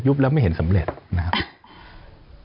แล้วไม่เห็นสำเร็จนะครับ